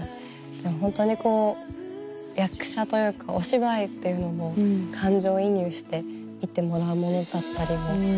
でもホントに役者というかお芝居っていうのも感情移入して見てもらうものだったりも。